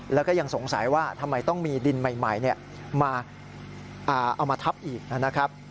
แล้วก็ยังสงสัยว่าทำไมต้องมีดินใหม่มาเอามาทับอีกนะครับ